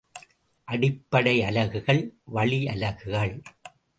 அடிப்படை அலகுகள், வழியலகுகள்.